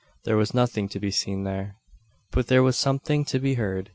There was nothing to be seen there. But there was something to be heard.